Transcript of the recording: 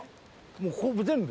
もうここも全部。